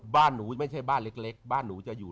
บ้านหนูไม่ใช่บ้านเล็กบ้านหนูจะอยู่